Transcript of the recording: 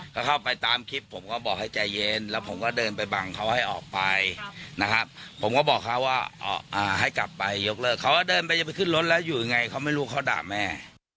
ก็เข้าไปตามคลิปผมก็บอกให้ใจเย็นแล้วผมก็เดินไปบังเขาให้ออกไปนะครับผมก็บอกเขาว่าให้กลับไปยกเลิกเขาก็เดินไปจะไปขึ้นรถแล้วอยู่ยังไงเขาไม่รู้เขาด่าแม่